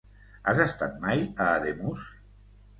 Has estat mai a Ademús?